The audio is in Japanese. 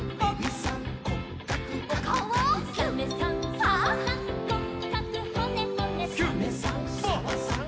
「サメさんサバさん